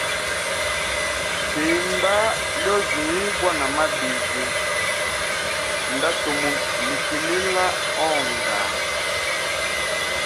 Sinda lyozi ibwa namabizi ndatumulikilila onga.